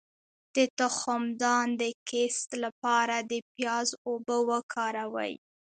د تخمدان د کیست لپاره د پیاز اوبه وکاروئ